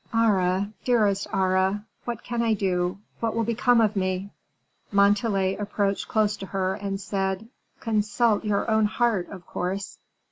Aure, dearest Aure, what can I do what will become of me?" Montalais approached close to her, and said, "Consult your own heart, of course."